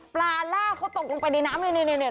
ปลาล่าเขาตกลงไปในน้ำนี่